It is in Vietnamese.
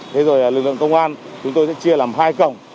thế rồi lực lượng công an chúng tôi sẽ chia làm hai cổng